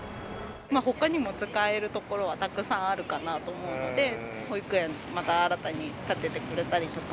ほかにも使えるところはたくさんあるかなと思うので、保育園、また新たに建ててくれたりとか。